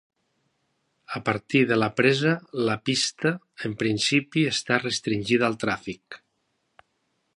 A partir de la presa la pista, en principi, està restringida al tràfic.